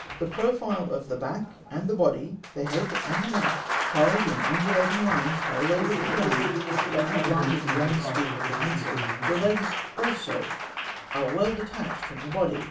The profile of the back and body, the head and neck, carried in undulating lines parallel with the ground, were outlined at one sweep of the pencil. The legs also are well detached from the body.